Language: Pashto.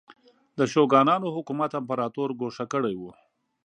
د شوګانانو حکومت امپراتور ګوښه کړی و.